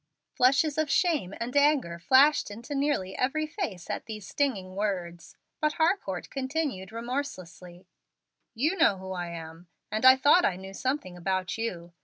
Flushes of shame and anger flashed into nearly every face at these stinging words, but Harcourt continued remorselessly: "You know who I am, and I thought I knew something about you.